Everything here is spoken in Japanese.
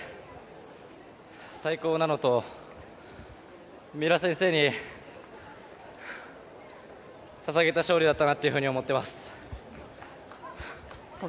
最高なのと、三浦先生にささげた勝利だったなと思っています。